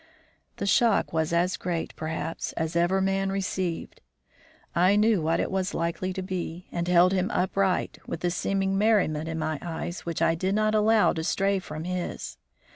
The shock was as great, perhaps, as ever man received. I knew what it was likely to be, and held him upright, with the seeming merriment in my eyes which I did not allow to stray from his.